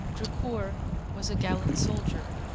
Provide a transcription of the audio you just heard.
Drucour was a gallant soldier.